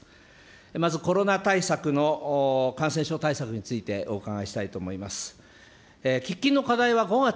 まずコロナ対策の感染症対策についてお伺いしたいと思います。